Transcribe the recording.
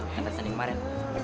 yang tersanding kemaren